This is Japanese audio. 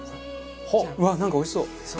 うわっなんかおいしそう。